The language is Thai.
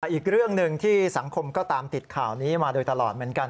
อีกเรื่องหนึ่งที่สังคมก็ตามติดข่าวนี้มาโดยตลอดเหมือนกัน